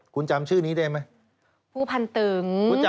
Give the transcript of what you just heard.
คุณจำชื่อนี้ได้มั้ย